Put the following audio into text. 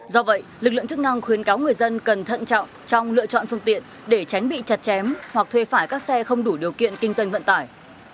do vậy lực lượng chức năng khuyến cáo người dân cần thận trọng trong lựa chọn phương tiện để tránh bị chặt chém hoặc thuê phải các xe không đủ điều kiện kinh doanh vận tải